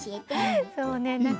そうね。